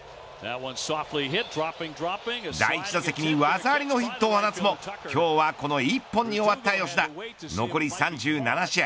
第１打席に技ありのヒットを放つも今日は、この１本に終わった吉田残り３７試合